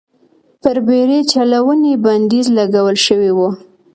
پر بېړۍ چلونې بندیز لګول شوی و.